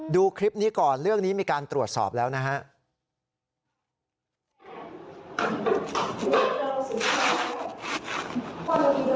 ดูคลิปนี้ก่อนเรื่องนี้มีการตรวจสอบแล้วนะครับ